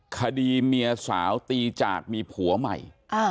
คดีเมียสาวตีจากมีผัวใหม่